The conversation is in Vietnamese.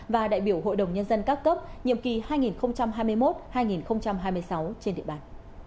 và đại biểu hội đồng nhân dân các cấp nhiệm kỳ hai nghìn hai mươi một hai nghìn hai mươi sáu trên địa bàn